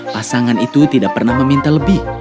pasangan itu tidak pernah meminta lebih